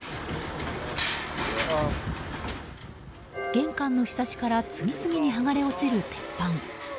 玄関のひさしから次々に剥がれ落ちる鉄板。